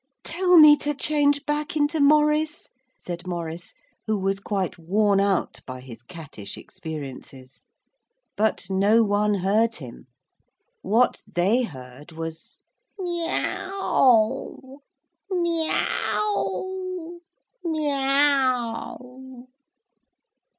'Tell me to change back into Maurice,' said Maurice who was quite worn out by his cattish experiences. But no one heard him. What they heard was, 'Meaow Meaow Meeeaow!'